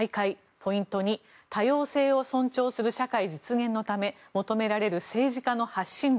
ポイント２、多様性を尊重する社会実現のため求められる政治家の発信力。